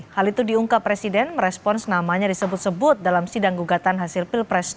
hal itu diungkap presiden merespon senamanya disebut sebut dalam sidang gugatan hasil pilpres dua ribu dua puluh empat